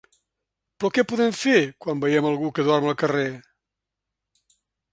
Però què podem fer quan veiem algú que dorm al carrer?